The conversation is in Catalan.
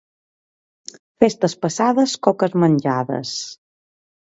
Festes passades, coques menjades.